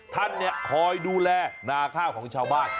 ท่านเนี่ยคอยดูแลนาข้าวของชาวบ้าน